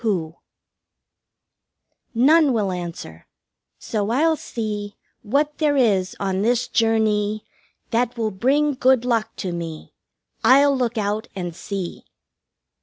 Who? 3 None will answer. So I'll see What there is on this journey (journee) That will bring good luck to me I'll look out and see!